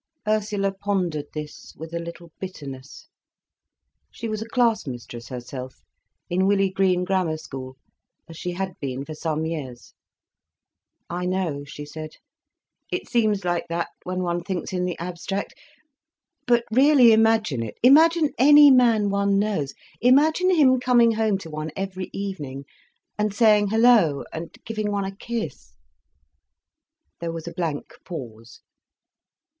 Ursula pondered this, with a little bitterness. She was a class mistress herself, in Willey Green Grammar School, as she had been for some years. "I know," she said, "it seems like that when one thinks in the abstract. But really imagine it: imagine any man one knows, imagine him coming home to one every evening, and saying 'Hello,' and giving one a kiss—" There was a blank pause.